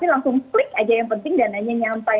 tapi langsung klik aja yang penting dan hanya nyampai